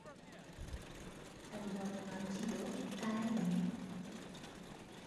তাঁর জন্মনাম ছিল কলাইবাণী।